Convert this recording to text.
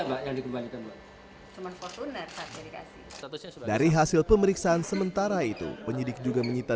yang dikembalikan dari hasil pemeriksaan sementara itu penyidik juga menyita